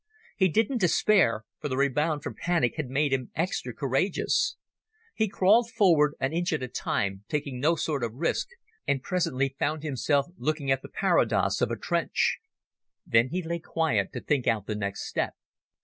He didn't despair, for the rebound from panic had made him extra courageous. He crawled forward, an inch at a time, taking no sort of risk, and presently found himself looking at the parados of a trench. Then he lay quiet to think out the next step.